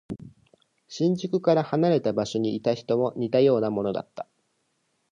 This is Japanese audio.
新宿から離れた場所にいた人も似たようなものだった。